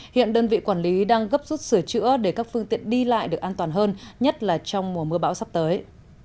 hiện đơn vị quản lý đang gấp rút sửa chữa để các phương tiện đi lại được an toàn hơn nhất là trong mùa mưa bão sắp tới